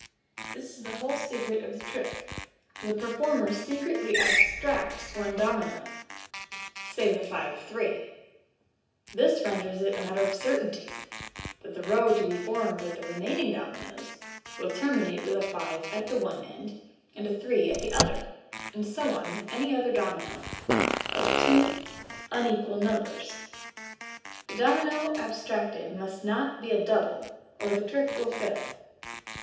This is the whole secret of the trick : the performer secretly abstracts one domino, say the " five three ;" this renders it a matter of certainty that the row to be formed with the remaining dominoes will terminate with a five at the one end and a three at the other, and so on with any other domino of two unequal numbers. The domino abstracted must not be a " double/' or the trick 268 MODERN MAGIC. will fail.